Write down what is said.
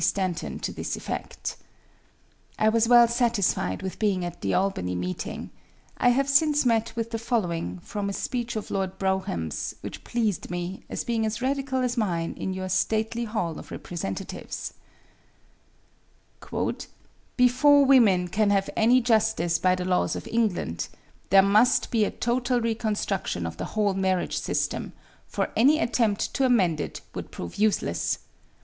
Stanton to this effect. "I was well satisfied with being at the Albany meeting. I have since met with the following, from a speech of Lord Brougham's, which pleased me, as being as radical as mine in your stately Hall of Representatives: "'Before women can have any justice by the laws of England, there must be a total reconstruction of the whole marriage system; for any attempt to amend it would prove useless.